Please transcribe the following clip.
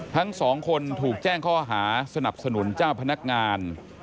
ทั้งสองคนถูกแจ้งข้อหาสนับสนุนเจ้าพนักงาน